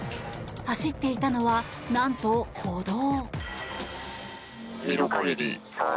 走っていたのは、なんと歩道。